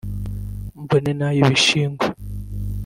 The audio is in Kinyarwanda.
mbone n’ay’ibishingwe